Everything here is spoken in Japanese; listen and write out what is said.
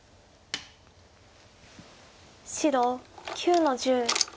白９の十。